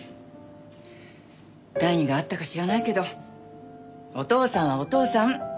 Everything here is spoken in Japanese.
何があったか知らないけどお父さんはお父さん。